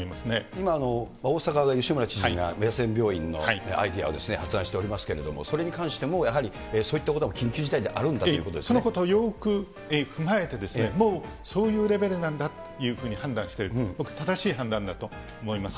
今、大阪の吉村知事が野戦病院のアイデアを発案しておりますけれども、それに関して、やはりそういったことが緊急事態であるんだというそのことをよく踏まえて、もうそういうレベルなんだというふうに判断して、僕、正しい判断だと思います。